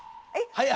早い！